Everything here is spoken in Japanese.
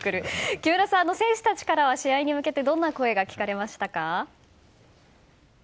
木村さん、選手たちからは試合に向けてどんな声が聞かれましたか？